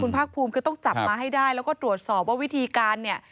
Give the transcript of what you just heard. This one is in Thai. ภาคภูมิคือต้องจับมาให้ได้แล้วก็ตรวจสอบว่าวิธีการเนี่ย